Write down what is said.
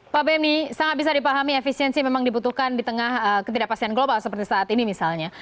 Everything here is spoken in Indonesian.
pak bemy sangat bisa dipahami efisiensi memang dibutuhkan di tengah ketidakpastian global seperti saat ini misalnya